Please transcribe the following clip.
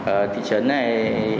ở thị trấn này